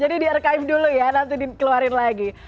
jadi di archive dulu ya nanti dikeluarin lagi